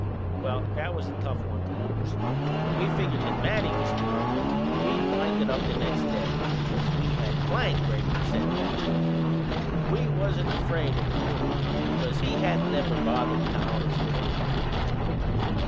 Well, that was a tough one to lose; but we figured that Matty was through and we'd wind it up the next day, as we had Plank ready to send back at 'em. We wasn't afraid o' the Rube, because he hadn't never bothered Collins and Baker much.